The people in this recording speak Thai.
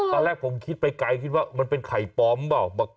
ตอนแรกผมคิดไปไกลคิดว่ามันเป็นไข่ปลอมเปล่า